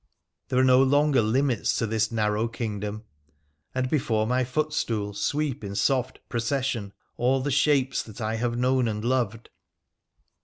There are no longer limits to this narrow kingdom, and before my footstool sweep in soft procession all the shapes that I have known and loved.